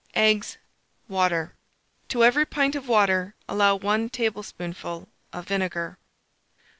Eggs, water. To every pint of water allow 1 tablespoonful of vinegar.